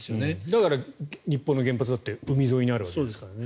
だから、日本の原発だって海沿いにあるわけですからね。